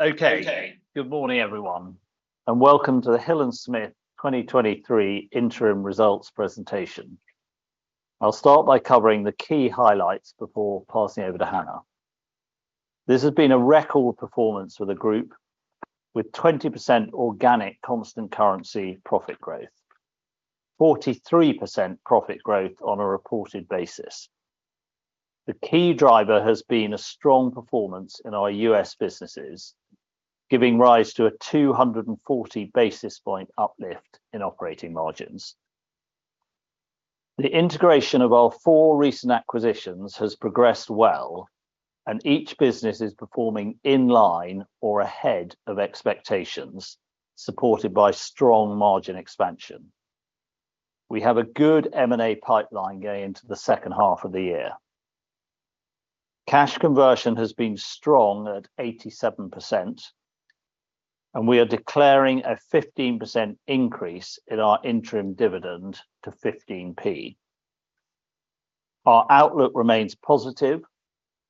Okay, good morning, everyone, and welcome to the Hill & Smith 2023 interim results presentation. I'll start by covering the key highlights before passing over to Hannah. This has been a record performance for the group, with 20% organic constant currency profit growth, 43% profit growth on a reported basis. The key driver has been a strong performance in our U.S. businesses, giving rise to a 240 basis point uplift in operating margins. The integration of our four recent acquisitions has progressed well, and each business is performing in line or ahead of expectations, supported by strong margin expansion. We have a good M&A pipeline going into the second half of the year. Cash conversion has been strong at 87%, and we are declaring a 15% increase in our interim dividend to 0.15. Our outlook remains positive,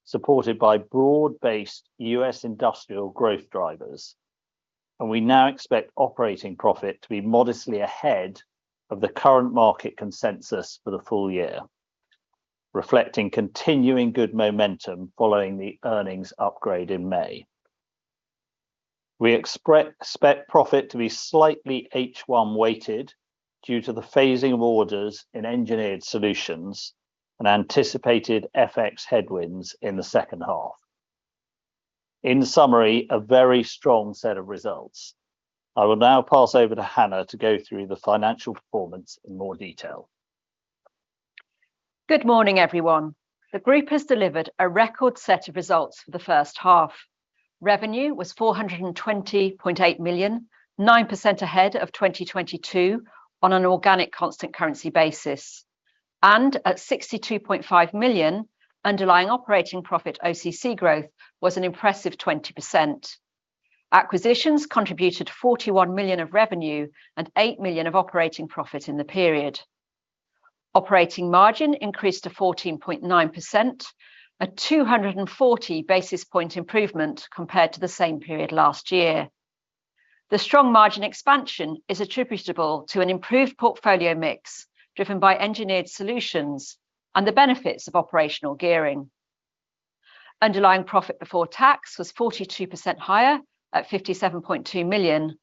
supported by broad-based U.S. industrial growth drivers, and we now expect operating profit to be modestly ahead of the current market consensus for the full year, reflecting continuing good momentum following the earnings upgrade in May. We expect profit to be slightly H1 weighted due to the phasing of orders in Engineered Solutions and anticipated FX headwinds in the second half. In summary, a very strong set of results. I will now pass over to Hannah to go through the financial performance in more detail. Good morning, everyone. The group has delivered a record set of results for the first half. Revenue was 420.8 million, 9% ahead of 2022 on an organic constant currency basis. At 62.5 million, underlying operating profit OCC growth was an impressive 20%. Acquisitions contributed 41 million of revenue and 8 million of operating profit in the period. Operating margin increased to 14.9%, a 240 basis point improvement compared to the same period last year. The strong margin expansion is attributable to an improved portfolio mix, driven by Engineered Solutions and the benefits of operational gearing. Underlying profit before tax was 42% higher at 57.2 million.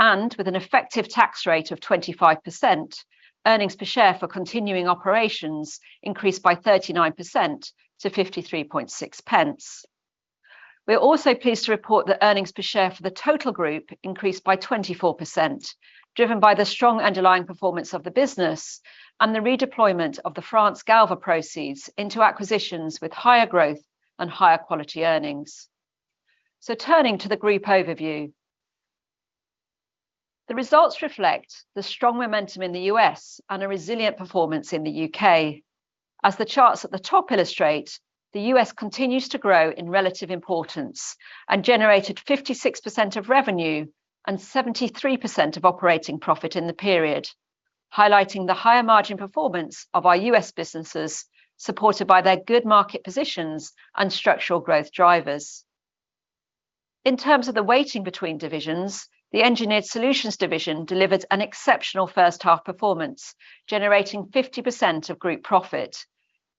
With an effective tax rate of 25%, earnings per share for continuing operations increased by 39%-GBP 0.536. We are also pleased to report that earnings per share for the total group increased by 24%, driven by the strong underlying performance of the business and the redeployment of the France Galva proceeds into acquisitions with higher growth and higher quality earnings. Turning to the group overview. The results reflect the strong momentum in the U.S. and a resilient performance in the U.K. As the charts at the top illustrate, the U.S. continues to grow in relative importance and generated 56% of revenue and 73% of operating profit in the period, highlighting the higher margin performance of our U.S. businesses, supported by their good market positions and structural growth drivers. In terms of the weighting between divisions, the Engineered Solutions division delivered an exceptional first half performance, generating 50% of group profit,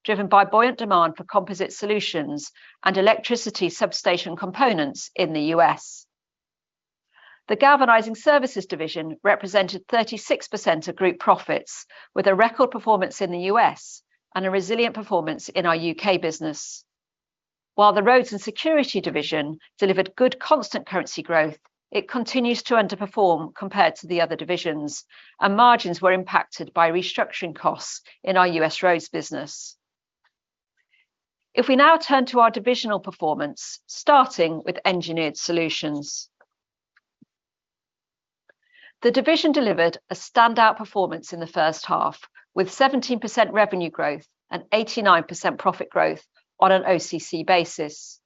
driven by buoyant demand for composite solutions and electricity substation components in the U.S. The Galvanizing Services division represented 36% of group profits, with a record performance in the U.S. and a resilient performance in our U.K. business. While the Roads & Security division delivered good constant currency growth, it continues to underperform compared to the other divisions, and margins were impacted by restructuring costs in our U.S. roads business. We now turn to our divisional performance, starting with Engineered Solutions. The division delivered a standout performance in the first half, with 17% revenue growth and 89% profit growth on an OCC basis.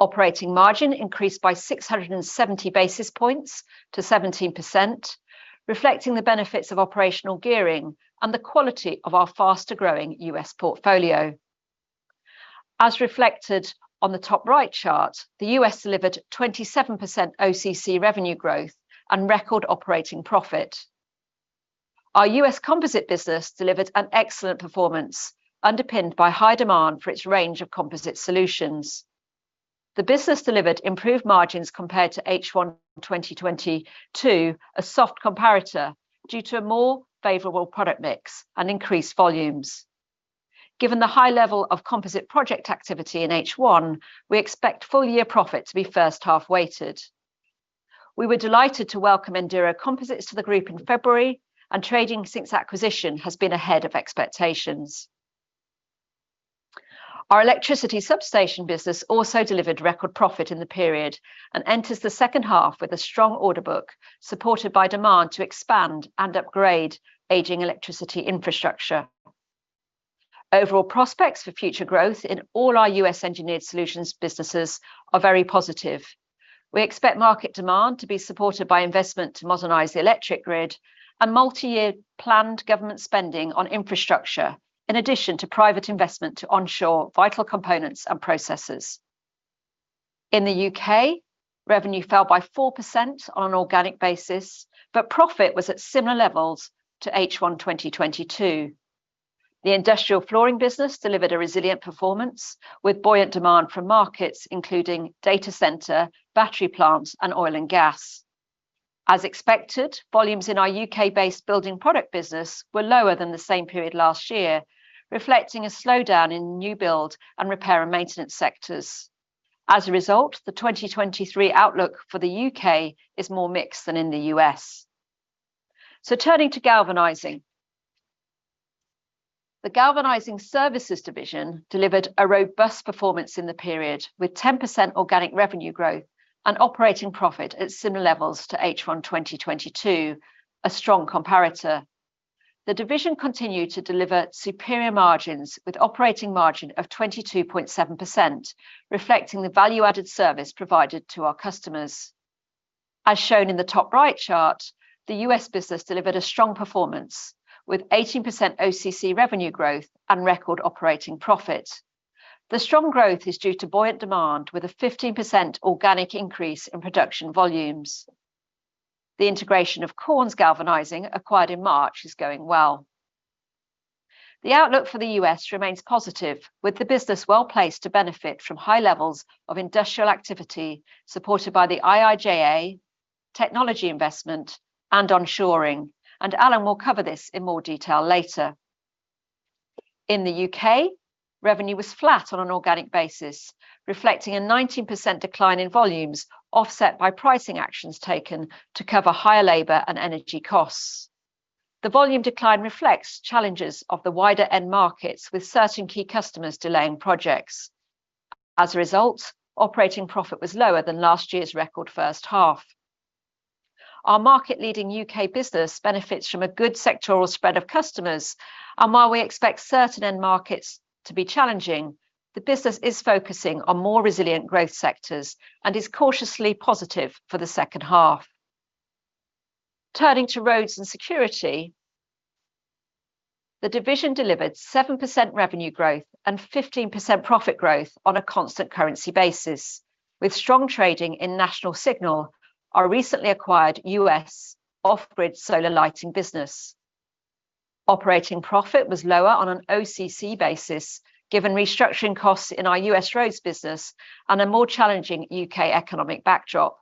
Operating margin increased by 670 basis points to 17%, reflecting the benefits of operational gearing and the quality of our faster-growing U.S. portfolio. As reflected on the top right chart, the U.S. delivered 27% OCC revenue growth and record operating profit. Our U.S. composite business delivered an excellent performance, underpinned by high demand for its range of composite solutions. The business delivered improved margins compared to H1 2022, a soft comparator, due to a more favorable product mix and increased volumes. Given the high level of composite project activity in H1, we expect full-year profit to be first half-weighted. We were delighted to welcome Enduro Composites to the group in February, and trading since acquisition has been ahead of expectations. Our electricity substation business also delivered record profit in the period and enters the second half with a strong order book, supported by demand to expand and upgrade aging electricity infrastructure. Overall prospects for future growth in all our U.S. Engineered Solutions businesses are very positive. We expect market demand to be supported by investment to modernize the electric grid and multi-year planned government spending on infrastructure, in addition to private investment to onshore vital components and processes. In the U.K., revenue fell by 4% on an organic basis, but profit was at similar levels to H1 2022. The industrial flooring business delivered a resilient performance, with buoyant demand from markets, including data center, battery plants, and oil and gas. As expected, volumes in our U.K.-based building product business were lower than the same period last year, reflecting a slowdown in new build and repair and maintenance sectors. As a result, the 2023 outlook for the U.K. is more mixed than in the U.S. Turning to galvanizing. The Galvanizing Services division delivered a robust performance in the period, with 10% organic revenue growth and operating profit at similar levels to H1 2022, a strong comparator. The division continued to deliver superior margins with operating margin of 22.7%, reflecting the value-added service provided to our customers. As shown in the top right chart, the U.S. business delivered a strong performance, with 18% OCC revenue growth and record operating profit. The strong growth is due to buoyant demand, with a 15% organic increase in production volumes. The integration of Korns Galvanizing, acquired in March, is going well. The outlook for the U.S. remains positive, with the business well-placed to benefit from high levels of industrial activity, supported by the IIJA, technology investment, and onshoring, and Alan will cover this in more detail later. In the U.K., revenue was flat on an organic basis, reflecting a 19% decline in volumes, offset by pricing actions taken to cover higher labor and energy costs. The volume decline reflects challenges of the wider end markets, with certain key customers delaying projects. As a result, operating profit was lower than last year's record first half. Our market-leading U.K. business benefits from a good sectoral spread of customers, and while we expect certain end markets to be challenging, the business is focusing on more resilient growth sectors and is cautiously positive for the second half. Turning to Roads & Security, the division delivered 7% revenue growth and 15% profit growth on a constant currency basis, with strong trading in National Signal, our recently acquired U.S. off-grid solar lighting business. Operating profit was lower on an OCC basis, given restructuring costs in our U.S. roads business and a more challenging U.K. economic backdrop.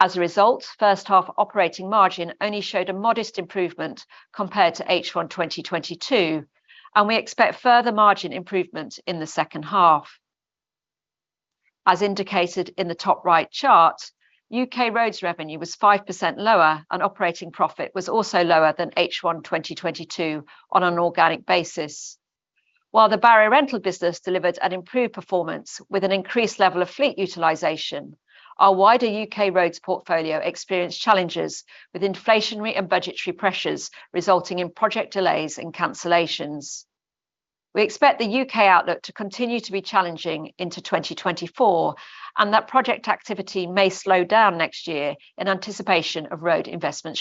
As a result, first half operating margin only showed a modest improvement compared to H1 2022, and we expect further margin improvement in the second half. As indicated in the top right chart, U.K. roads revenue was 5% lower, and operating profit was also lower than H1 2022 on an organic basis. While the Barrier Rental business delivered an improved performance with an increased level of fleet utilization, our wider U.K. roads portfolio experienced challenges with inflationary and budgetary pressures, resulting in project delays and cancellations. We expect the U.K. outlook to continue to be challenging into 2024, and that project activity may slow down next year in anticipation of Road Investment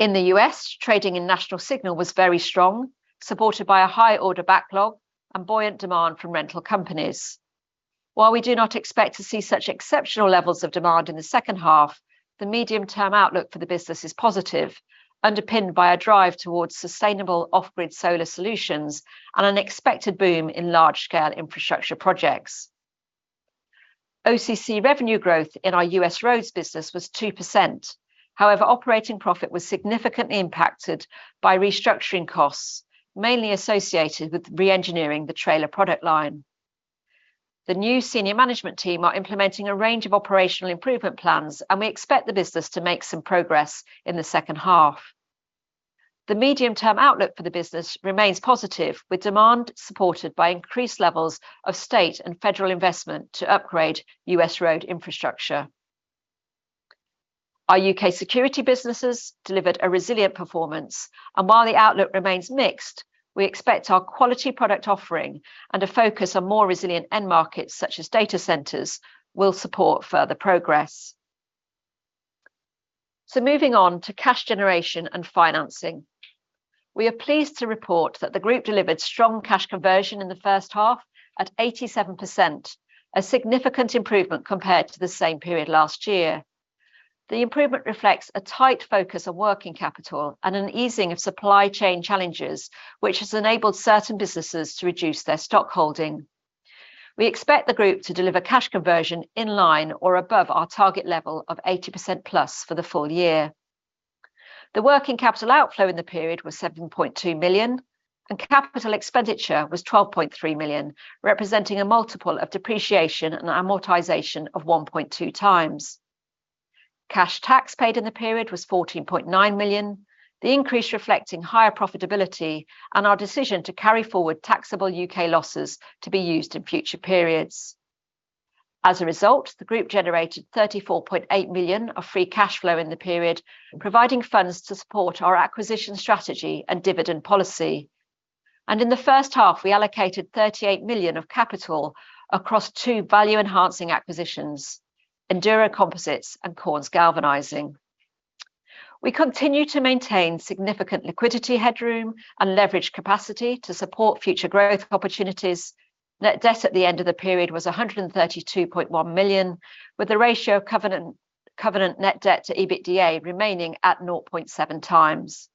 Strategy three. In the U.S., trading in National Signal was very strong, supported by a high order backlog and buoyant demand from rental companies. While we do not expect to see such exceptional levels of demand in the second half, the medium-term outlook for the business is positive, underpinned by a drive towards sustainable off-grid solar solutions and an expected boom in large-scale infrastructure projects. OCC revenue growth in our U.S. roads business was 2%. However, operating profit was significantly impacted by restructuring costs, mainly associated with reengineering the trailer product line. The new senior management team are implementing a range of operational improvement plans, and we expect the business to make some progress in the second half. The medium-term outlook for the business remains positive, with demand supported by increased levels of state and federal investment to upgrade U.S. road infrastructure. Our U.K. security businesses delivered a resilient performance, and while the outlook remains mixed, we expect our quality product offering and a focus on more resilient end markets, such as data centers, will support further progress. Moving on to cash generation and financing. We are pleased to report that the group delivered strong cash conversion in the first half at 87%, a significant improvement compared to the same period last year. The improvement reflects a tight focus on working capital and an easing of supply chain challenges, which has enabled certain businesses to reduce their stock holding. We expect the group to deliver cash conversion in line or above our target level of 80%+ for the full year. The working capital outflow in the period was 7.2 million, and capital expenditure was 12.3 million, representing a multiple of depreciation and amortization of 1.2 times. Cash tax paid in the period was 14.9 million, the increase reflecting higher profitability and our decision to carry forward taxable U.K. losses to be used in future periods. As a result, the group generated 34.8 million of free cash flow in the period, providing funds to support our acquisition strategy and dividend policy. In the first half, we allocated 38 million of capital across two value-enhancing acquisitions: Enduro Composites and Korns Galvanizing. We continue to maintain significant liquidity headroom and leverage capacity to support future growth opportunities. Net debt at the end of the period was 132.1 million, with a ratio of covenant net debt to EBITDA remaining at 0.7 times.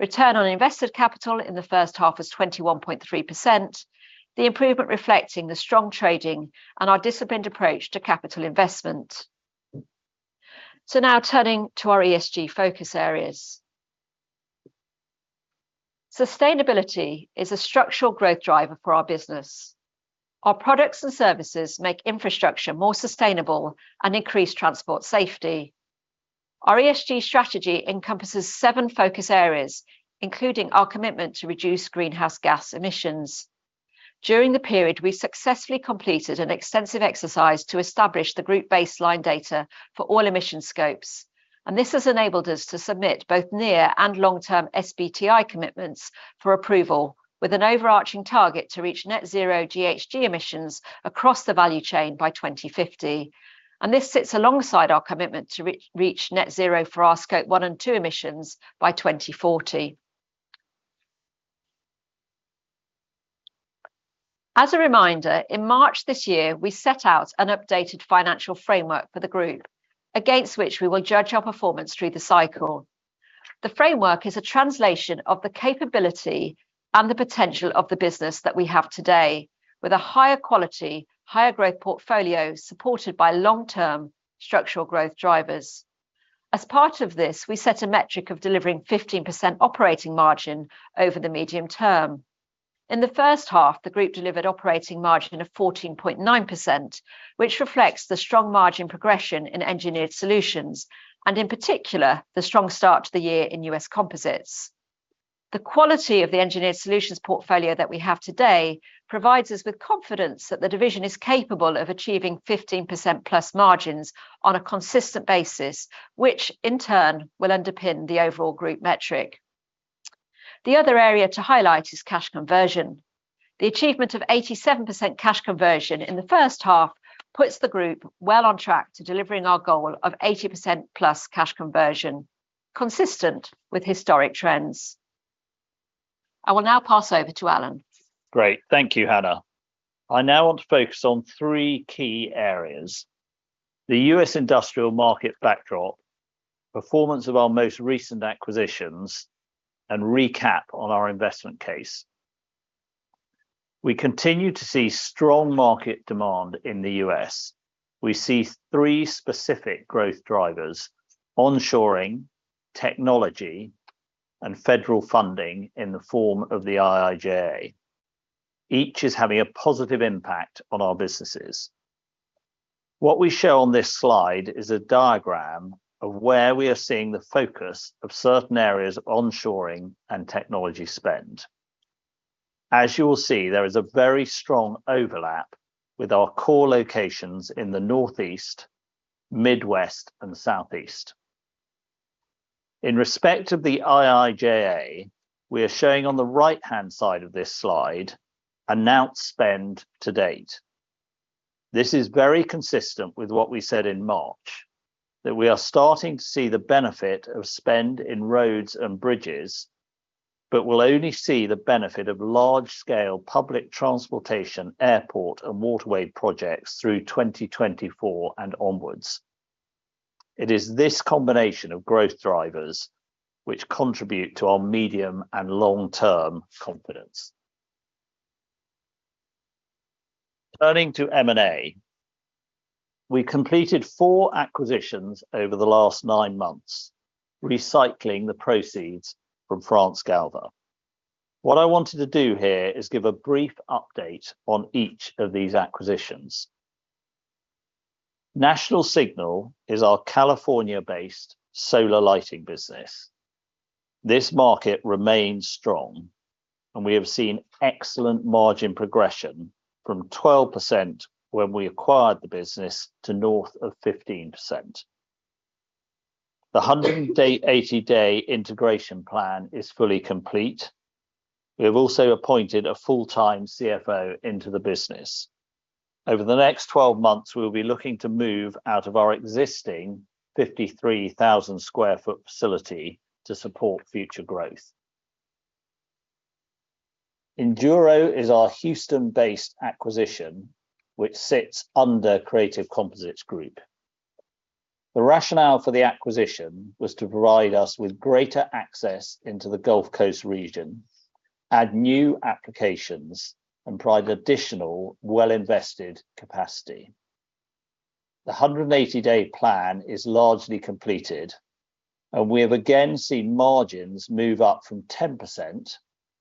Return on invested capital in the first half was 21.3%. The improvement reflecting the strong trading and our disciplined approach to capital investment. Now turning to our ESG focus areas. Sustainability is a structural growth driver for our business. Our products and services make infrastructure more sustainable and increase transport safety. Our ESG strategy encompasses seven focus areas, including our commitment to reduce greenhouse gas emissions. During the period, we successfully completed an extensive exercise to establish the group baseline data for all emission scopes, this has enabled us to submit both near and long-term SBTI commitments for approval, with an overarching target to reach net zero GHG emissions across the value chain by 2050. This sits alongside our commitment to re-reach net zero for our scope one and two emissions by 2040. As a reminder, in March this year, we set out an updated financial framework for the group, against which we will judge our performance through the cycle. The framework is a translation of the capability and the potential of the business that we have today, with a higher quality, higher growth portfolio, supported by long-term structural growth drivers. As part of this, we set a metric of delivering 15% operating margin over the medium term. In the first half, the group delivered operating margin of 14.9%, which reflects the strong margin progression in Engineered Solutions and in particular, the strong start to the year in U.S. composites. The quality of the Engineered Solutions portfolio that we have today provides us with confidence that the division is capable of achieving 15%+ margins on a consistent basis, which in turn will underpin the overall group metric. The other area to highlight is cash conversion. The achievement of 87% cash conversion in the first half puts the group well on track to delivering our goal of 80%+ cash conversion, consistent with historic trends. I will now pass over to Alan. Great. Thank you, Hannah. I now want to focus on three key areas: the U.S. industrial market backdrop, performance of our most recent acquisitions, and recap on our investment case. We continue to see strong market demand in the U.S. We see three specific growth drivers: onshoring, technology, and federal funding in the form of the IIJA. Each is having a positive impact on our businesses. What we show on this slide is a diagram of where we are seeing the focus of certain areas of onshoring and technology spend. As you will see, there is a very strong overlap with our core locations in the Northeast, Midwest, and Southeast. In respect of the IIJA, we are showing on the right-hand side of this slide announced spend to date. This is very consistent with what we said in March, that we are starting to see the benefit of spend in roads and bridges, but will only see the benefit of large-scale public transportation, airport and waterway projects through 2024 and onwards. It is this combination of growth drivers which contribute to our medium and long-term confidence. Turning to M&A, we completed four acquisitions over the last nine months, recycling the proceeds from France Galva. What I wanted to do here is give a brief update on each of these acquisitions. National Signal is our California-based solar lighting business. This market remains strong, and we have seen excellent margin progression from 12% when we acquired the business to north of 15%. The 180-day integration plan is fully complete. We have also appointed a full-time CFO into the business. Over the next 12 months, we will be looking to move out of our existing 53,000 sq ft facility to support future growth. Enduro is our Houston-based acquisition, which sits under Creative Composites Group. The rationale for the acquisition was to provide us with greater access into the Gulf Coast region, add new applications, and provide additional well-invested capacity. The 180-day plan is largely completed, and we have again seen margins move up from 10%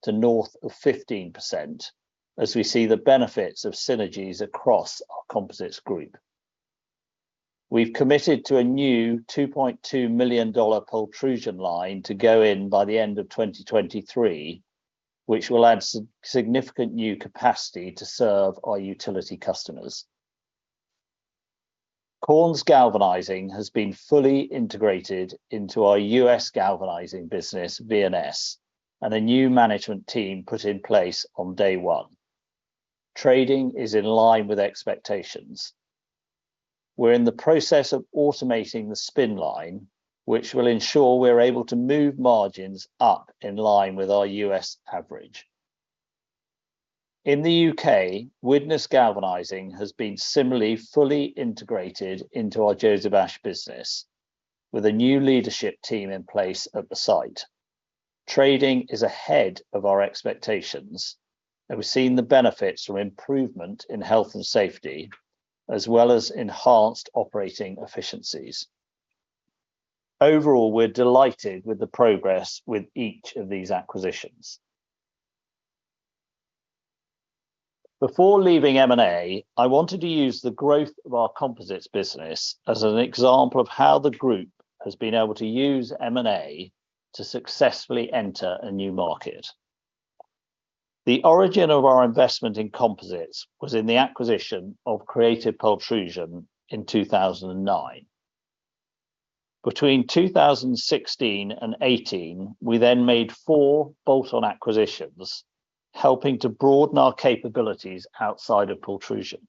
to north of 15% as we see the benefits of synergies across our composites group. We've committed to a new $2.2 million pultrusion line to go in by the end of 2023, which will add some significant new capacity to serve our utility customers. Korns Galvanizing has been fully integrated into our US galvanizing business, V&S, and a new management team put in place on day one. Trading is in line with expectations. We're in the process of automating the spin line, which will ensure we're able to move margins up in line with our U.S. average. In the U.K., Widnes Galvanising has been similarly fully integrated into our Joseph Ash business, with a new leadership team in place at the site. Trading is ahead of our expectations. We're seeing the benefits from improvement in health and safety, as well as enhanced operating efficiencies. Overall, we're delighted with the progress with each of these acquisitions. Before leaving M&A, I wanted to use the growth of our composites business as an example of how the group has been able to use M&A to successfully enter a new market. The origin of our investment in composites was in the acquisition of Creative Pultrusions in 2009. Between 2016 and 2018, we made four bolt-on acquisitions, helping to broaden our capabilities outside of pultrusion.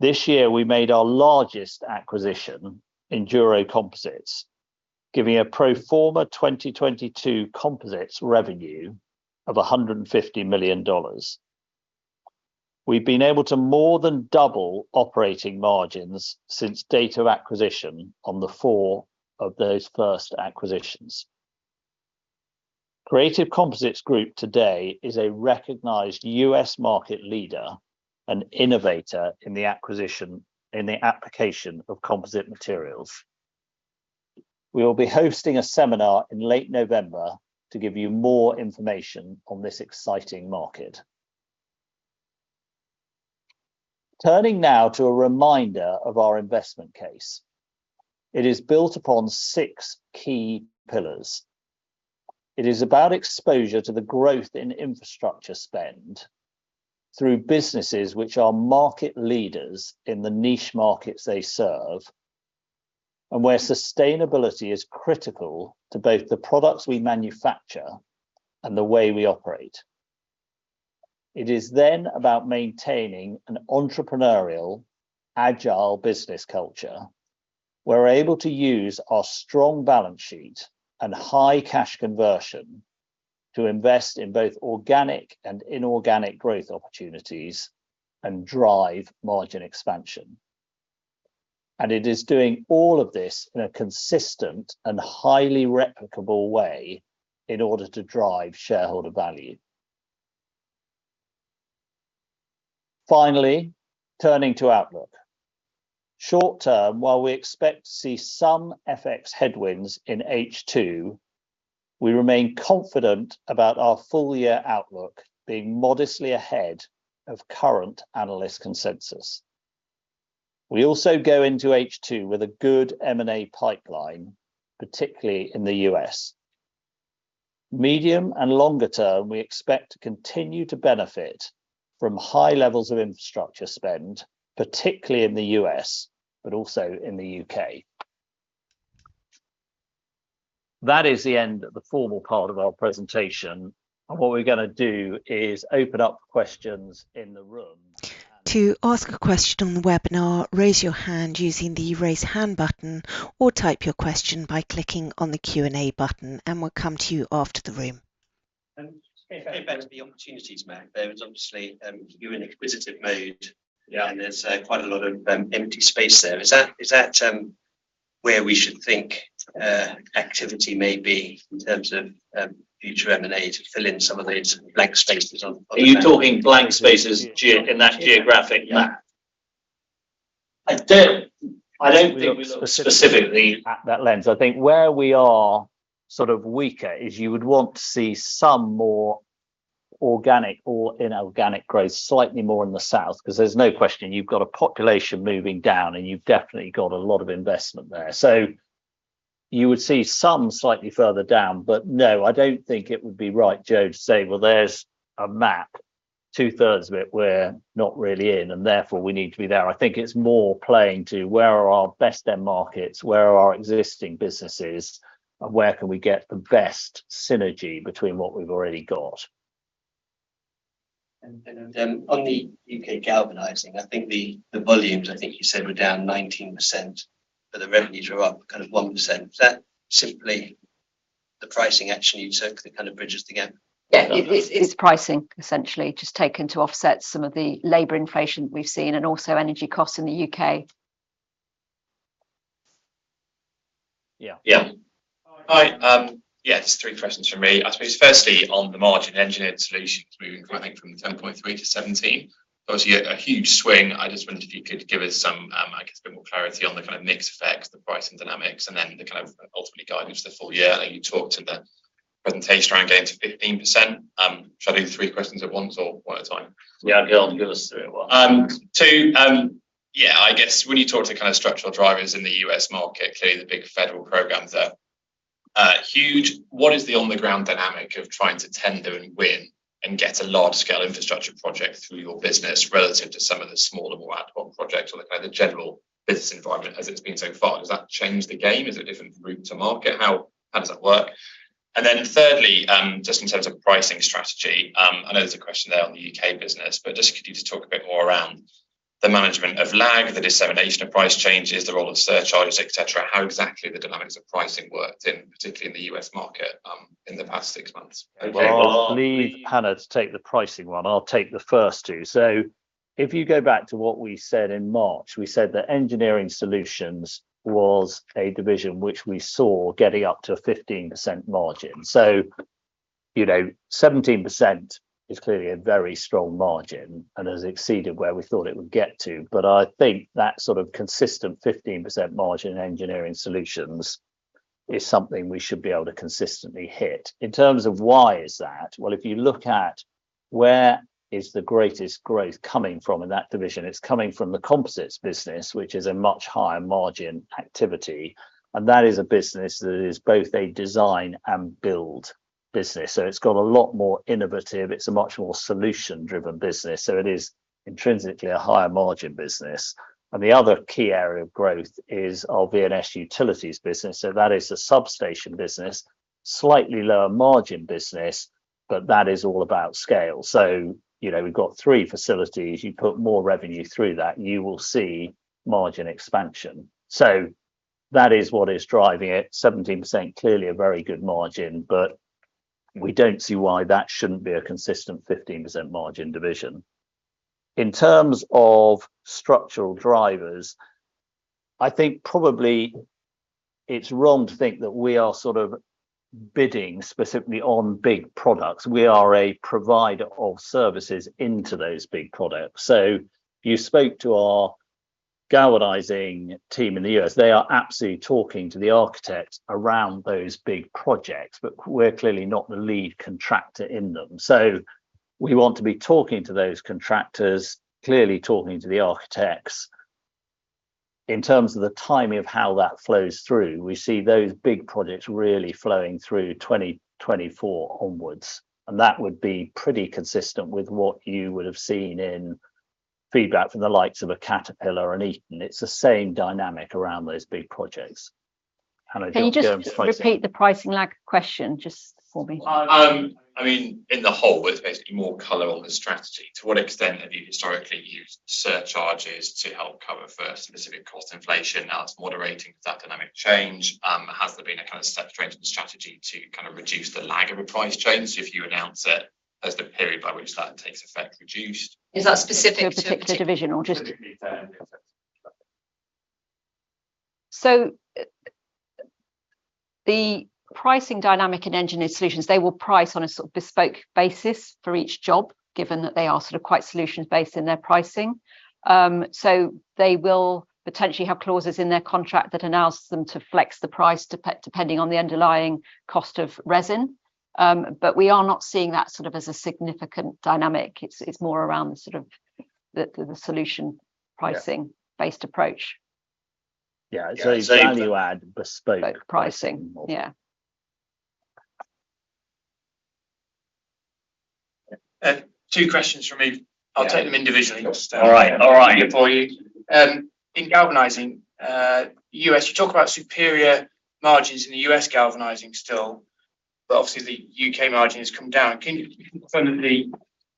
This year, we made our largest acquisition in Enduro Composites, giving a pro forma 2022 composites revenue of $150 million. We've been able to more than double operating margins since date of acquisition on the four of those first acquisitions. Creative Composites Group today is a recognized U.S. market leader and innovator in the application of composite materials. We will be hosting a seminar in late November to give you more information on this exciting market. Turning now to a reminder of our investment case. It is built upon six key pillars. It is about exposure to the growth in infrastructure spend through businesses which are market leaders in the niche markets they serve, and where sustainability is critical to both the products we manufacture and the way we operate. It is then about maintaining an entrepreneurial, agile business culture. We're able to use our strong balance sheet and high cash conversion to invest in both organic and inorganic growth opportunities and drive margin expansion. It is doing all of this in a consistent and highly replicable way in order to drive shareholder value. Finally, turning to outlook. Short term, while we expect to see some FX headwinds in H2, we remain confident about our full year outlook being modestly ahead of current analyst consensus. We also go into H2 with a good M&A pipeline, particularly in the U.S. Medium and longer term, we expect to continue to benefit from high levels of infrastructure spend, particularly in the U.S., but also in the U.K. That is the end of the formal part of our presentation, and what we're gonna do is open up questions in the room. To ask a question on the webinar, raise your hand using the Raise Hand button, or type your question by clicking on the Q&A button, and we'll come to you after the room. And going back- Going back to the opportunities map, there is obviously, you're in acquisitive mode. Yeah. There's quite a lot of empty space there. Is that, is that where we should think activity may be in terms of future M&A to fill in some of these blank spaces on the map? Are you talking blank spaces geo- Yeah. in that geographic map? Yeah. I don't think we look. Specifically... specifically at that lens. I think where we are sort of weaker is you would want to see some more organic or inorganic growth, slightly more in the south, 'cause there's no question you've got a population moving down, and you've definitely got a lot of investment there. So you would see some slightly further down. No, I don't think it would be right, Joe, to say, "Well, there's a map. Two-thirds of it, we're not really in, and therefore, we need to be there." I think it's more playing to: Where are our best end markets? Where are our existing businesses, and where can we get the best synergy between what we've already got? On the U.K. galvanizing, I think the, the volumes, I think you said, were down 19%, but the revenues were up kind of 1%. Is that simply the pricing action you took that kind of bridges the gap? Yeah, it is, it's pricing, essentially, just taken to offset some of the labor inflation we've seen and also energy costs in the U.K. Yeah. Yeah. Hi, yeah, just three questions from me. I suppose firstly, on the margin Engineered Solutions moving, I think, from 10.3-17, obviously a huge swing. I just wondered if you could give us some, I guess, a bit more clarity on the kind of mixed effects, the pricing dynamics, and then the kind of ultimately guidance for the full year. I know you talked in the presentation around getting to 15%. Should I do three questions at once or one at a time? Yeah, go on, give us three at once. Two, yeah, I guess when you talk to kind of structural drivers in the U.S. market, clearly the big federal programs are, are huge. What is the on-the-ground dynamic of trying to tender and win and get a large-scale infrastructure project through your business relative to some of the smaller, more ad hoc projects or the kind of general business environment as it's been so far? Does that change the game? Is it a different route to market? How, how does that work?... Then thirdly, just in terms of pricing strategy, I know there's a question there on the U.K. business, but just could you just talk a bit more around the management of lag, the dissemination of price changes, the role of surcharges, et cetera, how exactly the dynamics of pricing worked in, particularly in the U.S. market, in the past six months? Well, I'll leave Hannah to take the pricing one. I'll take the first 2. If you go back to what we said in March, we said that Engineered Solutions was a division which we saw getting up to a 15% margin. You know, 17% is clearly a very strong margin and has exceeded where we thought it would get to. I think that sort of consistent 15% margin in Engineered Solutions is something we should be able to consistently hit. In terms of why is that? Well, if you look at where is the greatest growth coming from in that division, it's coming from the composites business, which is a much higher margin activity, and that is a business that is both a design and build business. It's got a lot more innovative. It's a much more solution-driven business, it is intrinsically a higher margin business. The other key area of growth is our V&S Utilities business. That is the substation business, slightly lower margin business, but that is all about scale. You know, we've got three facilities. You put more revenue through that, you will see margin expansion. That is what is driving it. 17%, clearly a very good margin, but we don't see why that shouldn't be a consistent 15% margin division. In terms of structural drivers, I think probably it's wrong to think that we are sort of bidding specifically on big products. We are a provider of services into those big products. You spoke to our galvanizing team in the U.S. They are absolutely talking to the architects around those big projects, but we're clearly not the lead contractor in them. We want to be talking to those contractors, clearly talking to the architects. In terms of the timing of how that flows through, we see those big projects really flowing through 2024 onwards, and that would be pretty consistent with what you would have seen in feedback from the likes of a Caterpillar or an Eaton. It's the same dynamic around those big projects. Hannah, can you just- Can you just repeat the pricing lag question just for me? I mean, in the whole, it's basically more color on the strategy. To what extent have you historically used surcharges to help cover for specific cost inflation? Now, it's moderating. Does that dynamic change? Has there been a kind of step change in strategy to kind of reduce the lag of a price change? If you announce it, has the period by which that takes effect reduced? Is that specific to a particular division or just-? Absolutely. The pricing dynamic in Engineered Solutions, they will price on a sort of bespoke basis for each job, given that they are sort of quite solutions-based in their pricing. They will potentially have clauses in their contract that allows them to flex the price, depending on the underlying cost of resin. We are not seeing that sort of as a significant dynamic. It's, it's more around the sort of the, the, the solution- Yeah.... pricing-based approach. Yeah. Yeah. It's value add, bespoke. Bespoke pricing. Yeah. 2 questions from me. Yeah. I'll take them individually. All right. All right. Good for you. In galvanizing, U.S., you talk about superior margins in the U.S. galvanizing still, but obviously, the U.K. margin has come down. Can you confirm that the,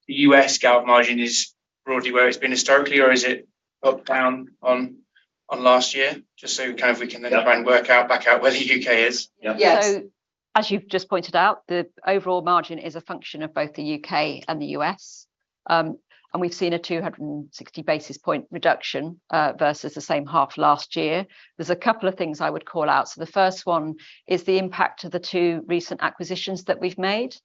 the U.S. galv margin is broadly where it's been historically, or is it up, down on, on last year? Just so kind of we can then try and work out, back out where the U.K. is. Yeah. Yes. As you've just pointed out, the overall margin is a function of both the U.K. and the U.S. We've seen a 260 basis point reduction versus the same half last year. There's a couple of things I would call out. The first one is the impact of the two recent acquisitions that we've made.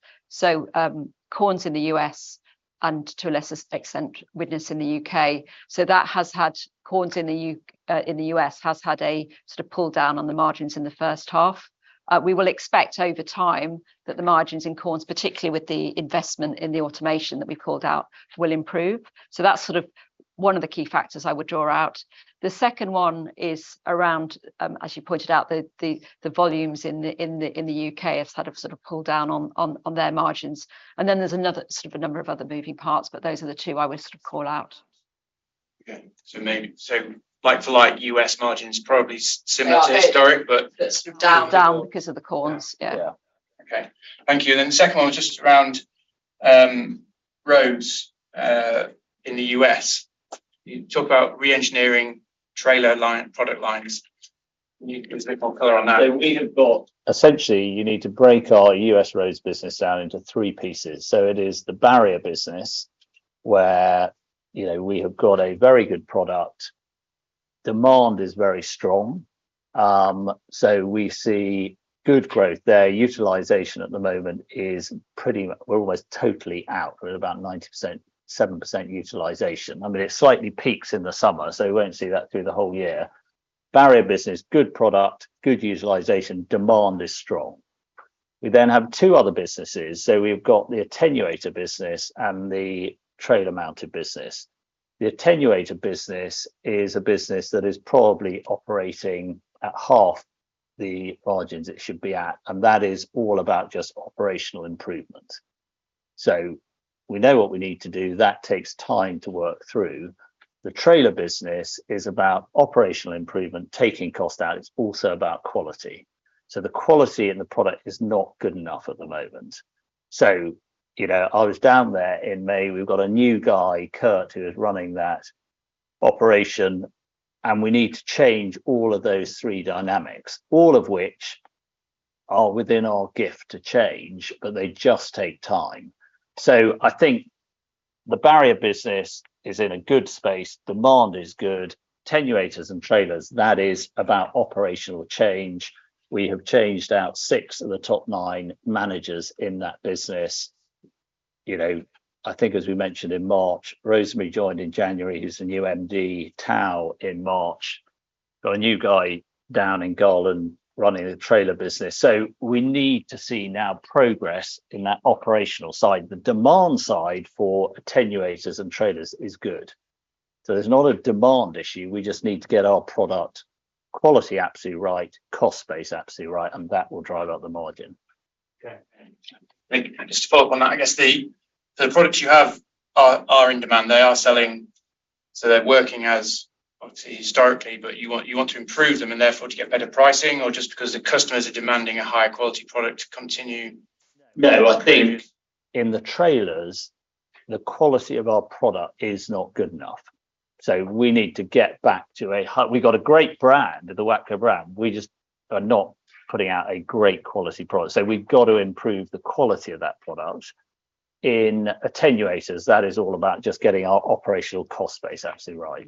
Korns in the U.S. and to a lesser extent, Widnes in the U.K. That has had, Korns in the U.S., has had a sort of pull down on the margins in the first half. We will expect over time that the margins in Korns, particularly with the investment in the automation that we called out, will improve. That's sort of one of the key factors I would draw out. The second one is around, as you pointed out, the, the, the volumes in the, in the, in the U.K. have had a sort of pull down on, on, on their margins. Then there's another sort of a number of other moving parts, but those are the two I would sort of call out. Okay. maybe, so like for like, U.S. margin is probably similar to historic. Down, down because of the Korns. Yeah. Yeah. Okay. Thank you. Then the second one, just around, roads, in the U.S. You talk about reengineering trailer line, product lines. Can you give us a bit more color on that? We have got, essentially, you need to break our U.S. roads business down into three pieces. It is the barrier business, where, you know, we have got a very good product. Demand is very strong, so we see good growth there. Utilization at the moment is pretty, we're almost totally out. We're at about 90%, 7% utilization. I mean, it slightly peaks in the summer, so we won't see that through the whole year. Barrier business, good product, good utilization, demand is strong. We then have two other businesses. We've got the attenuator business and the trailer mounted business. The attenuator business is a business that is probably operating at half the margins it should be at, and that is all about just operational improvement. We know what we need to do. That takes time to work through. The trailer business is about operational improvement, taking cost out, it's also about quality. The quality in the product is not good enough at the moment. You know, I was down there in May. We've got a new guy, Kurt, who is running that operation, and we need to change all of those three dynamics, all of which are within our gift to change, but they just take time. I think the barrier business is in a good space. Demand is good. Attenuators and trailers, that is about operational change. We have changed out six of the top nine managers in that business. You know, I think as we mentioned in March, Rosemary joined in January, who's the new MD, Tao in March. Got a new guy down in Garland running the trailer business. We need to see now progress in that operational side. The demand side for attenuators and trailers is good. There's not a demand issue. We just need to get our product quality absolutely right, cost base absolutely right, and that will drive up the margin. Okay, thank you. Just to follow up on that, I guess the products you have are in demand, they are selling, so they're working as obviously historically, but you want to improve them and therefore to get better pricing, or just because the customers are demanding a higher quality product to continue? No, I think in the trailers, the quality of our product is not good enough, so we need to get back to a high--. We got a great brand, the Wacker brand. We just are not putting out a great quality product. We've got to improve the quality of that product. In attenuators, that is all about just getting our operational cost base absolutely right.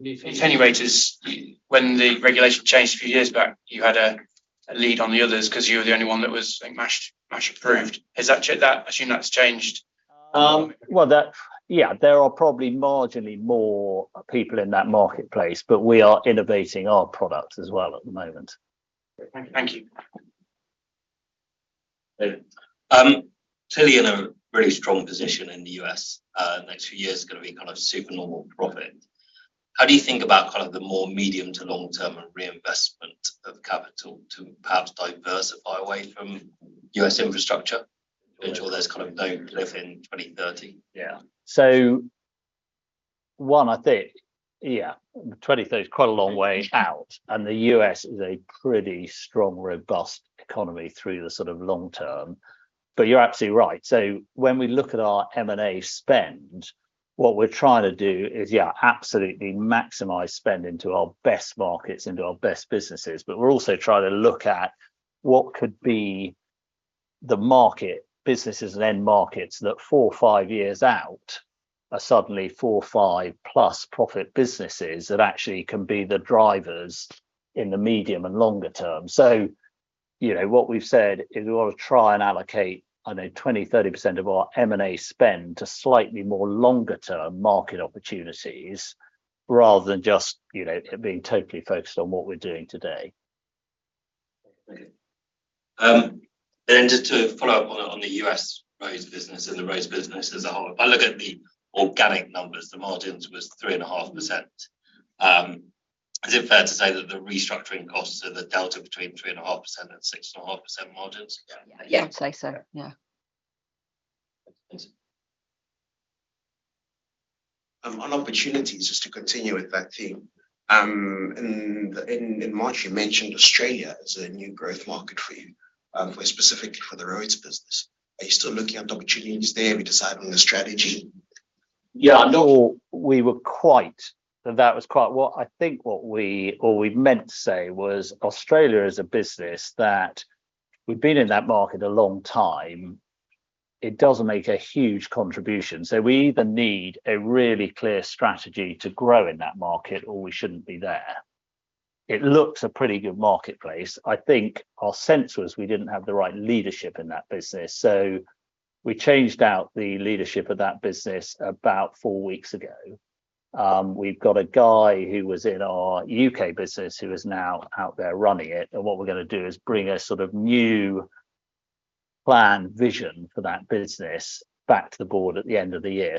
The attenuators, when the regulation changed a few years back, you had a lead on the others because you were the only one that was like MASH approved. Has that changed? I assume that's changed. Well, yeah, there are probably marginally more people in that marketplace, but we are innovating our products as well at the moment. Thank you. Clearly in a really strong position in the US, next few years is gonna be kind of super normal profit. How do you think about kind of the more medium to long term and reinvestment of capital to perhaps diversify away from US infrastructure, ensure there's kind of no cliff in 2030? Yeah. One, I think, yeah, 2030 is quite a long way out, and the U.S. is a pretty strong, robust economy through the sort of long term. You're absolutely right. When we look at our M&A spend, what we're trying to do is, yeah, absolutely maximize spend into our best markets, into our best businesses. We're also trying to look at what could be the market, businesses and end markets that four or five years out are suddenly four or five plus profit businesses that actually can be the drivers in the medium and longer term. You know, what we've said is we want to try and allocate, I know 20%, 30% of our M&A spend to slightly more longer term market opportunities, rather than just, you know, being totally focused on what we're doing today. Okay. just to follow up on, on the US roads business and the roads business as a whole, if I look at the organic numbers, the margins was 3.5%. Is it fair to say that the restructuring costs are the delta between 3.5% and 6.5% margins? Yeah. I'd say so. Yeah. Thanks. On opportunities, just to continue with that theme, in, in, in March, you mentioned Australia as a new growth market for you, for specifically for the roads business. Are you still looking at opportunities there? Have you decided on the strategy? Yeah, no, that was quite. Well, I think what we or we meant to say was Australia is a business that we've been in that market a long time. It doesn't make a huge contribution, so we either need a really clear strategy to grow in that market, or we shouldn't be there. It looks a pretty good marketplace. I think our sense was we didn't have the right leadership in that business, so we changed out the leadership of that business about four weeks ago. We've got a guy who was in our U.K. business who is now out there running it, and what we're gonna do is bring a sort of new plan, vision for that business back to the board at the end of the year.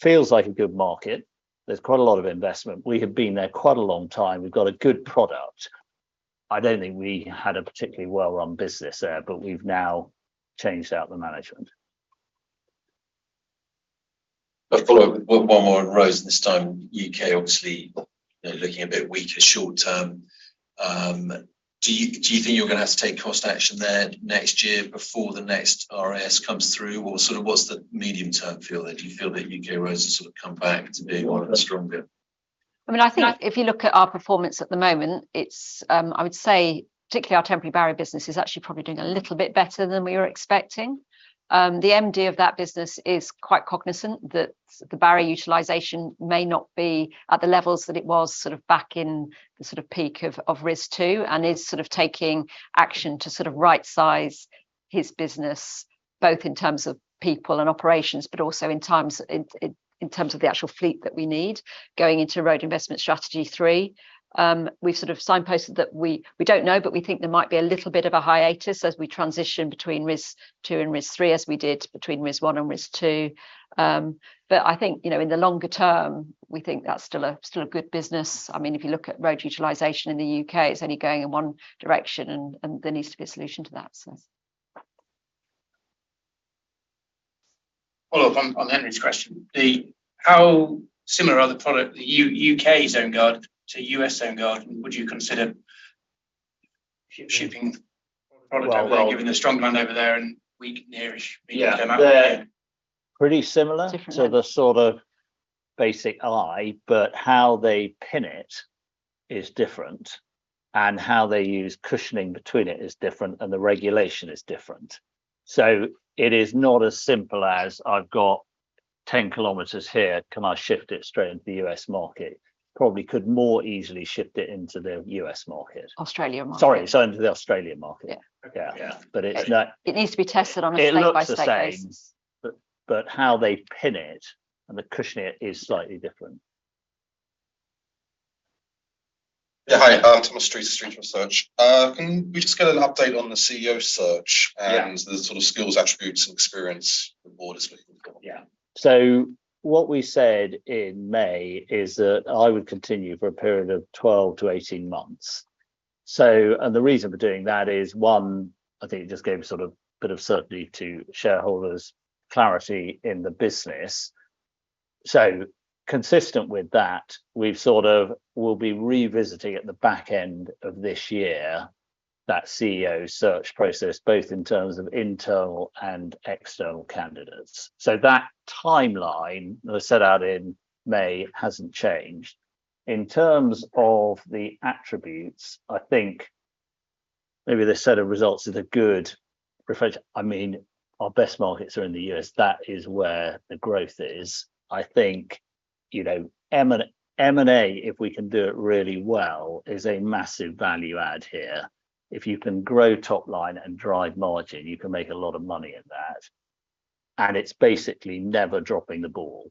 Feels like a good market. There's quite a lot of investment. We have been there quite a long time. We've got a good product. I don't think we had a particularly well-run business there. We've now changed out the management. I'll follow up with 1 more on roads, this time, U.K., obviously, you know, looking a bit weaker short term. Do you, do you think you're gonna have to take cost action there next year before the next RIS comes through? Or sort of what's the medium-term feel there? Do you feel that U.K. roads have sort of come back to being one of the stronger? I mean, I think if you look at our performance at the moment, it's, I would say particularly our temporary barrier business is actually probably doing a little bit better than we were expecting. The MD of that business is quite cognizant that the barrier utilization may not be at the levels that it was sort of back in the sort of peak of RIS two, and is sort of taking action to sort of right-size his business, both in terms of people and operations, but also in terms of the actual fleet that we need. Going into Road Investment Strategy three, we've sort of signposted that we, we don't know, but we think there might be a little bit of a hiatus as we transition between RIS two and RIS three, as we did between RIS one and RIS two. I think, you know, in the longer term, we think that's still a, still a good business. I mean, if you look at road utilization in the UK, it's only going in one direction, and, and there needs to be a solution to that, so. Follow up on, on Henry's question, how similar are the product, the U.K. Zoneguard to U.S. Zoneguard? Would you consider shipping product over, given the strong brand over there and weak? Yeah, they're pretty similar- Different. To the sort of basic eye, but how they pin it is different, and how they use cushioning between it is different, and the regulation is different. It is not as simple as, "I've got 10 kilometers here, can I shift it straight into the U.S. market?" Probably could more easily shift it into the U.S. market. Australia market. Sorry, sorry, into the Australian market. Yeah. Yeah. Yeah. It's not- It needs to be tested on a state by state basis. It looks the same, but how they pin it and the cushioning is slightly different. Hi, Thomas Street from Street Research. Can we just get an update on the CEO search? Yeah.... and the sort of skills, attributes, and experience the board is looking for? Yeah. What we said in May is that I would continue for a period of 12-18 months. The reason for doing that is, one, I think it just gave sort of a bit of certainty to shareholders, clarity in the business. Consistent with that, we've sort of we'll be revisiting at the back end of this year, that CEO search process, both in terms of internal and external candidates. That timeline that was set out in May hasn't changed. In terms of the attributes, I think maybe the set of results is a good reflection. I mean, our best markets are in the U.S. That is where the growth is. I think, you know, M&A, if we can do it really well, is a massive value add here. If you can grow top line and drive margin, you can make a lot of money in that, and it's basically never dropping the ball.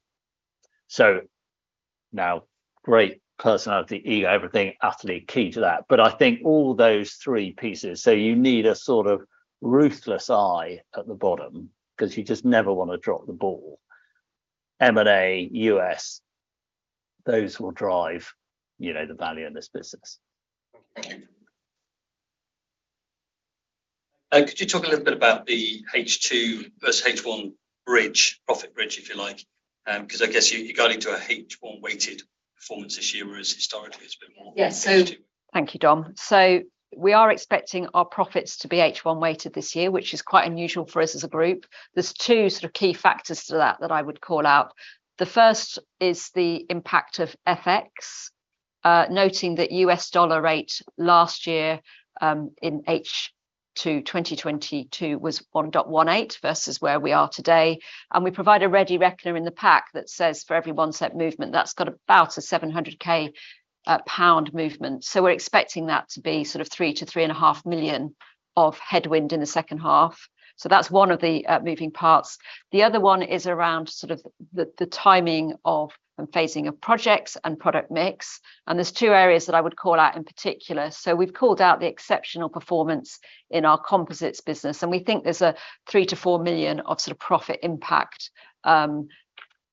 Now, great personality, ego, everything, utterly key to that, but I think all those three pieces, so you need a sort of ruthless eye at the bottom 'cause you just never wanna drop the ball. M&A, U.S., those will drive, you know, the value in this business. Thank you. Could you talk a little bit about the H2 versus H1 bridge, profit bridge, if you like? 'Cause I guess you, you're going into a H1-weighted performance this year, whereas historically, it's been more H2. Yeah, thank you, Dom. We are expecting our profits to be H1-weighted this year, which is quite unusual for us as a group. There's two sort of key factors to that, that I would call out. The first is the impact of FX, noting that US dollar rate last year, in H2 2022 was 1.18 versus where we are today. We provide a ready reckoner in the pack that says for every $0.01 movement, that's got about a 700K pound movement. We're expecting that to be sort of 3 million-3.5 million of headwind in the second half. That's one of the moving parts. The other one is around sort of the, the timing of and phasing of projects and product mix, and there's two areas that I would call out in particular. We've called out the exceptional performance in our composites business, and we think there's a 3 million-4 million of sort of profit impact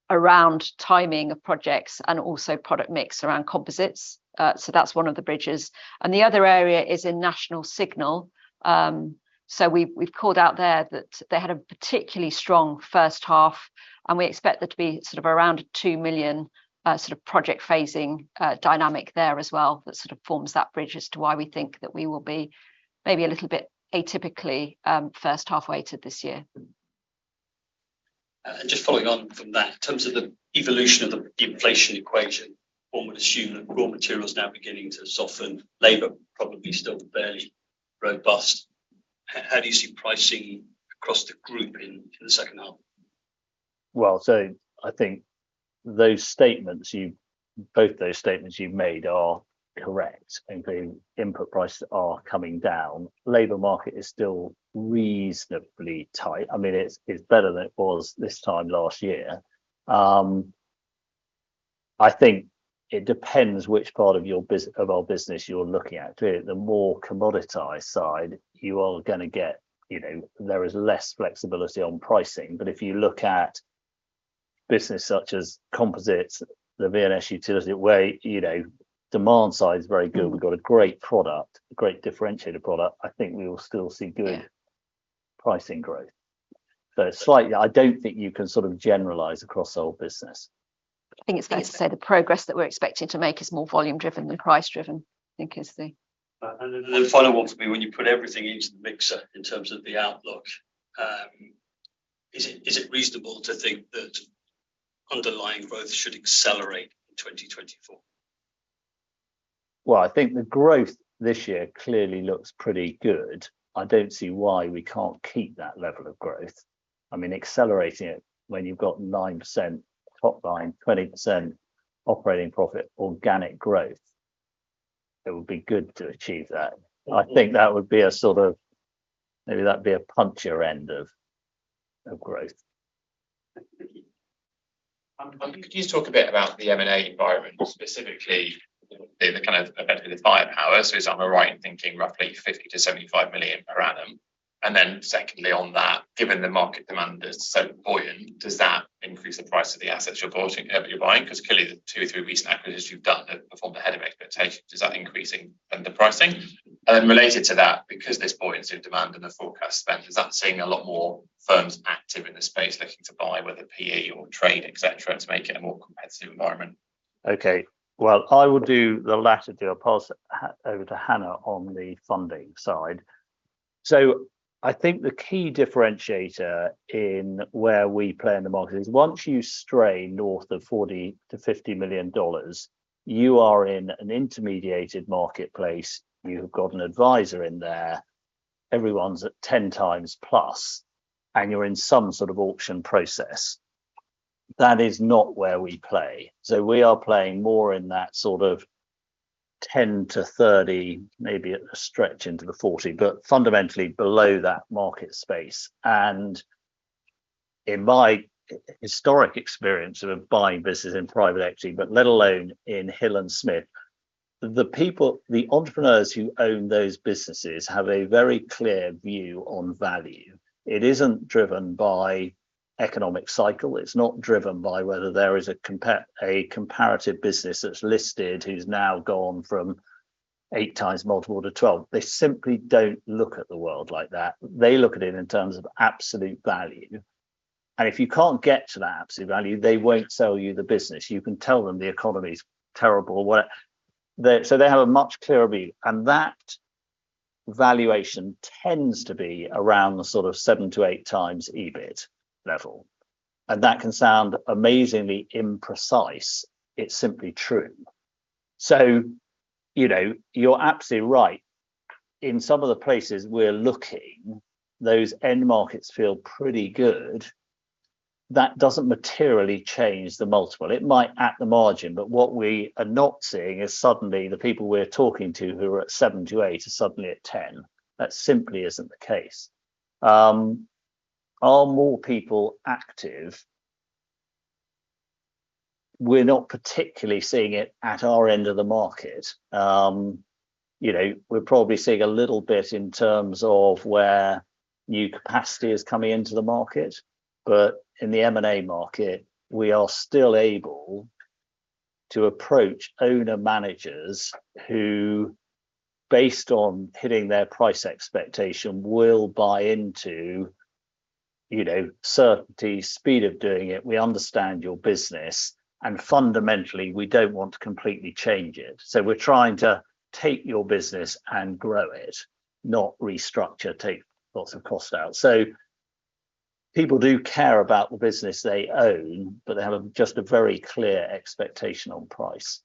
around timing of projects and also product mix around composites. That's one of the bridges. The other area is in National Signal. We've, we've called out there that they had a particularly strong first half, and we expect there to be sort of around 2 million sort of project phasing dynamic there as well, that sort of forms that bridge as to why we think that we will be maybe a little bit atypically first halfway to this year. Just following on from that, in terms of the evolution of the inflation equation, one would assume that raw materials now beginning to soften, labor probably still fairly robust. How do you see pricing across the group in the second half? I think those statements both those statements you've made are correct, including input prices are coming down. Labor market is still reasonably tight. I mean, it's, it's better than it was this time last year. I think it depends which part of your of our business you're looking at. Clearly, the more commoditized side, you are gonna get, you know, there is less flexibility on pricing. If you look at business such as composites, the V&S utility, where, you know, demand side is very good, we've got a great product, a great differentiator product, I think we will still see good- Yeah... pricing growth. Slightly, I don't think you can sort of generalize across the whole business. I think it's fair to say the progress that we're expecting to make is more volume driven than price driven, I think is the- Then the final one for me, when you put everything into the mixer in terms of the outlook, is it, is it reasonable to think that underlying growth should accelerate in 2024? Well, I think the growth this year clearly looks pretty good. I don't see why we can't keep that level of growth. I mean, accelerating it when you've got 9% top line, 20% operating profit, organic growth, it would be good to achieve that. I think that would be a sort of maybe that'd be a punchier end of, of growth. Thank you. Could you talk a bit about the M&A environment, specifically in the kind of event of the buying power? Is that am I right in thinking roughly 50 million-75 million per annum? Secondly, on that, given the market demand is so buoyant, does that increase the price of the assets you're purchasing, you're buying? Because clearly, the two, three recent acquisitions you've done have performed ahead of expectations. Is that increasing the pricing? Related to that, because there's buoyant demand in the forecast spend, is that seeing a lot more firms active in the space looking to buy, whether PE or trade, et cetera, to make it a more competitive environment? Okay. Well, I will do the latter deal. Pass over to Hannah on the funding side. I think the key differentiator in where we play in the market is once you stray north of $40 million-$50 million, you are in an intermediated marketplace. You have got an advisor in there, everyone's at 10 times plus, and you're in some sort of auction process. That is not where we play, we are playing more in that sort of 10-30, maybe at a stretch into the 40, but fundamentally below that market space. In my historic experience of buying businesses in private equity, but let alone in Hill & Smith, the people, the entrepreneurs who own those businesses have a very clear view on value. It isn't driven by economic cycle, it's not driven by whether there is a comparative business that's listed, who's now gone from eight times multiple to 12. They simply don't look at the world like that. They look at it in terms of absolute value. If you can't get to the absolute value, they won't sell you the business. You can tell them the economy's terrible. They have a much clearer view. That valuation tends to be around the sort of seven to eight times EBIT level. That can sound amazingly imprecise. It's simply true. You know, you're absolutely right. In some of the places we're looking, those end markets feel pretty good. That doesn't materially change the multiple. It might at the margin, but what we are not seeing is suddenly the people we're talking to who are at 7-8 are suddenly at 10. That simply isn't the case. Are more people active? We're not particularly seeing it at our end of the market. You know, we're probably seeing a little bit in terms of where new capacity is coming into the market, but in the M&A market, we are still able to approach owner managers who, based on hitting their price expectation, will buy into, you know, certainty, speed of doing it. We understand your business, and fundamentally, we don't want to completely change it. We're trying to take your business and grow it, not restructure, take lots of costs out. People do care about the business they own, but they have a just a very clear expectation on price.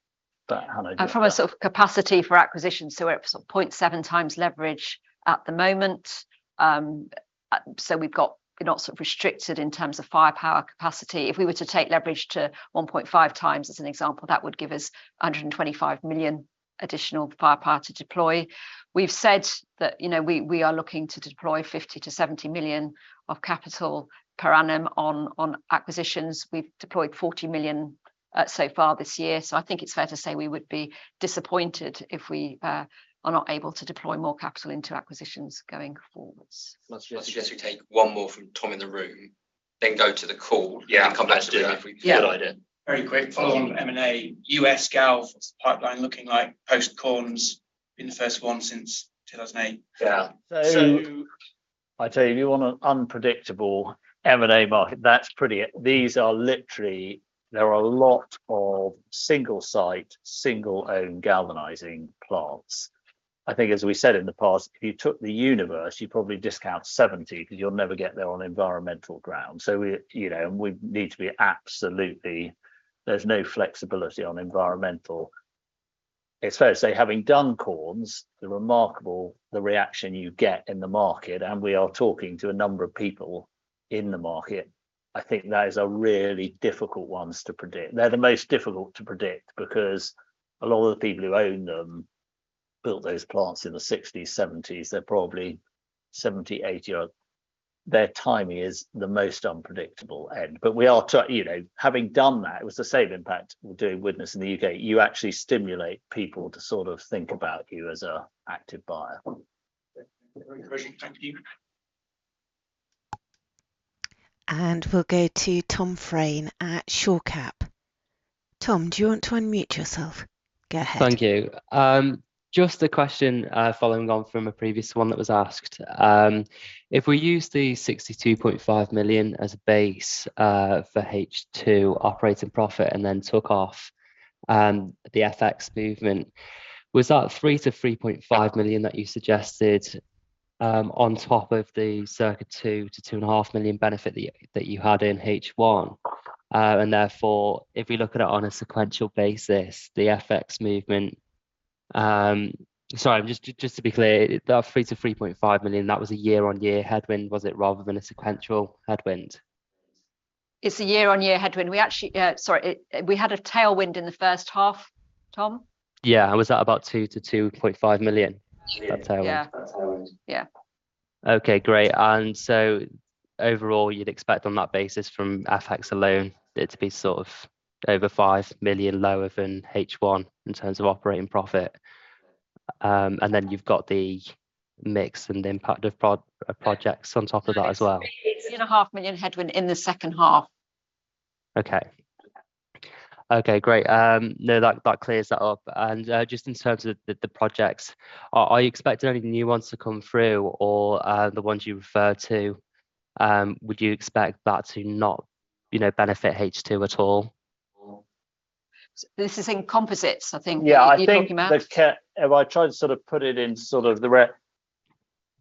Hannah- From a sort of capacity for acquisition, so we're at 0.7 times leverage at the moment. We've got. We're not sort of restricted in terms of firepower capacity. If we were to take leverage to 1.5 times, as an example, that would give us 125 million additional firepower to deploy. We've said that, you know, we, we are looking to deploy 50 million-70 million of capital per annum on, on acquisitions. We've deployed 40 million so far this year, so I think it's fair to say we would be disappointed if we are not able to deploy more capital into acquisitions going forwards. I suggest we take one more from Tom in the room, then go to the call. Yeah, let's do that. Good idea. Very quick follow on M&A, U.S. galv pipeline looking like post Korns been the first one since 2008. Yeah. So- I tell you, if you want an unpredictable M&A market, that's pretty it. These are literally. There are a lot of single site, single-owned galvanizing plants. I think, as we said in the past, if you took the universe, you'd probably discount 70 because you'll never get there on environmental grounds. We, you know, and we need to be absolutely, there's no flexibility on environmental. It's fair to say, having done Korns, the reaction you get in the market, and we are talking to a number of people in the market, I think those are really difficult ones to predict. They're the most difficult to predict because a lot of the people who own them built those plants in the 1960s, 1970s. They're probably 70, 80 odd. Their timing is the most unpredictable end. We are talk, you know, having done that, it was the same impact we're doing Widnes in the U.K. You actually stimulate people to sort of think about you as a active buyer. Great. Thank you. We'll go to Tom Fraine at Shore Capital. Tom, do you want to unmute yourself? Go ahead. Thank you. Just a question, following on from a previous one that was asked. If we use the 62.5 million as a base for H2 operating profit and then took off, the FX movement, was that 3 million-3.5 million that you suggested, on top of the circa 2 million-2.5 million benefit that you, that you had in H1? Therefore, if we look at it on a sequential basis, the FX movement... Sorry, just, just to be clear, the 3 million-3.5 million, that was a year-on-year headwind, was it, rather than a sequential headwind? It's a year-on-year headwind. We actually, Sorry, it, we had a tailwind in the first half, Tom? Yeah. Was that about 2 million-2.5 million, that tailwind? Yeah. That tailwind. Yeah. Okay, great. Overall, you'd expect on that basis from FX alone, it to be sort of over 5 million lower than H1 in terms of operating profit? You've got the mix and the impact of projects on top of that as well? It's an 8.5 million headwind in the second half. Okay. Okay, great. No, that, that clears that up. Just in terms of the, the projects, are, are you expecting any new ones to come through or, the ones you referred to, would you expect that to not, you know, benefit H2 at all? This is in composites, I think. Yeah. You mentioned that? I've I tried to sort of put it in sort of the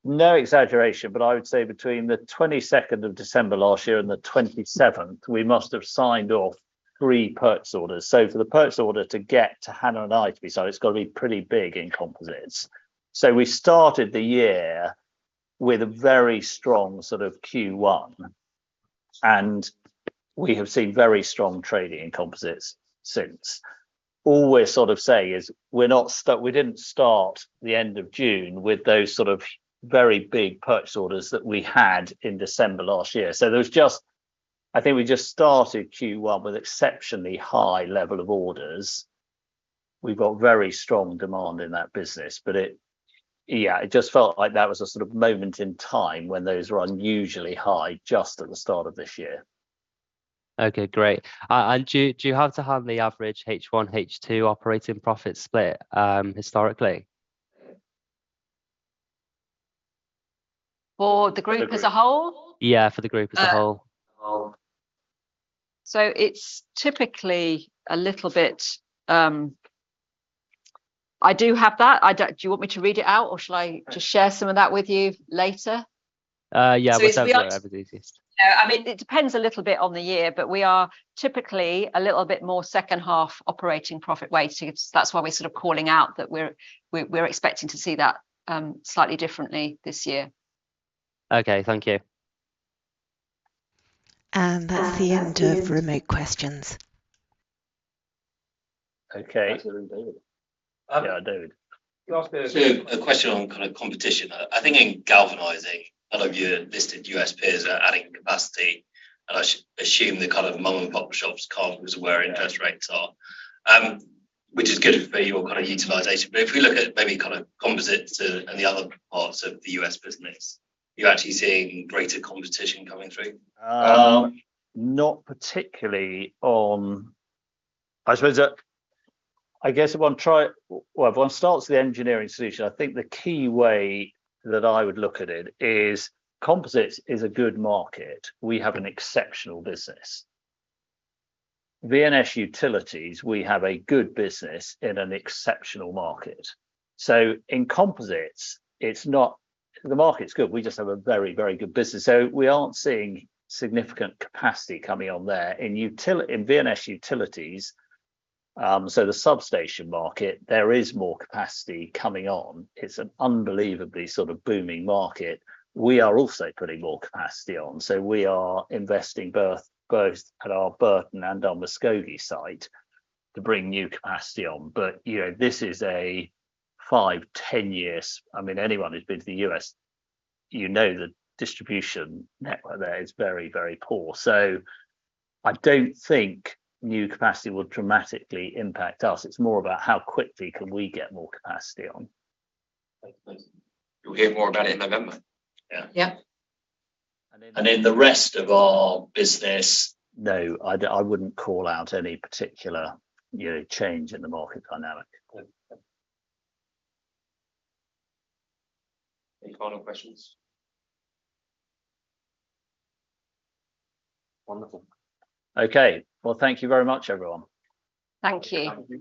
no exaggeration, but I would say between the 22nd of December last year and the 27th, we must have signed off 3 purchase orders. For the purchase order to get to Hannah and I, so it's got to be pretty big in composites. We started the year with a very strong sort of Q1, and we have seen very strong trading in composites since. All we're sort of saying is, we're not we didn't start the end of June with those sort of very big purchase orders that we had in December last year. There was just, I think we just started Q1 with exceptionally high level of orders. We've got very strong demand in that business, but it. Yeah, it just felt like that was a sort of moment in time when those were unusually high, just at the start of this year. Okay, great. Do you have to have the average H1, H2 operating profit split, historically? For the group as a whole? Yeah, for the group as a whole. It's typically a little bit. I do have that. Do you want me to read it out, or should I just share some of that with you later? Yeah, whatever's easiest. I mean, it depends a little bit on the year, we are typically a little bit more second half operating profit weighting. That's why we're sort of calling out that we're, we're, we're expecting to see that slightly differently this year. Okay, thank you. That's the end of remote questions. Okay. David. Yeah, David. You asked a question on kind of competition. I think in galvanizing, a lot of your listed U.S. peers are adding capacity, and I assume the kind of mom and pop shops can't, because of where interest rates are, which is good for your kind of utilization. If we look at maybe kind of composites and, and the other parts of the U.S. business, are you actually seeing greater competition coming through? Not particularly on I suppose that, I guess if one starts the Engineered Solutions, I think the key way that I would look at it is composites is a good market. We have an exceptional business. V&S Utilities, we have a good business in an exceptional market. In composites, the market's good, we just have a very, very good business. We aren't seeing significant capacity coming on there. In V&S Utilities, the substation market, there is more capacity coming on. It's an unbelievably sort of booming market. We are also putting more capacity on, we are investing both, both at our Burton and our Muskogee site to bring new capacity on. You know, this is a five, 10 years. I mean, anyone who's been to the US, you know the distribution network there is very, very poor. I don't think new capacity will dramatically impact us. It's more about how quickly can we get more capacity on. Thanks. You'll hear more about it in November. Yeah. Yeah. In the rest of our business, no, I wouldn't call out any particular, you know, change in the market dynamic. Cool. Any final questions? Wonderful. Okay. Well, thank you very much, everyone. Thank you. Thank you.